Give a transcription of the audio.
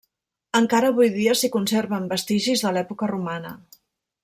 Encara avui dia s'hi conserven vestigis de l'època romana.